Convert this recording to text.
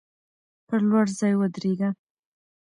پر لوړ ځای ودریږه.